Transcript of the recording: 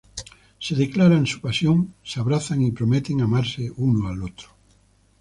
Se declaran su pasión, se abrazan y prometen amarse uno al otro.